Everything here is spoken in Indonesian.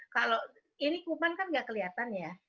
kalau ini kuman kan nggak kelihatan ya